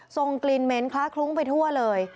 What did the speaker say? ส่งกลิ่นเหม็นคล้าคลุ้งไปทั่วเลย